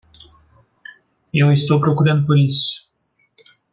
Eu estou procurando por isso.